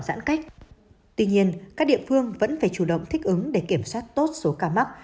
giãn cách tuy nhiên các địa phương vẫn phải chủ động thích ứng để kiểm soát tốt số ca mắc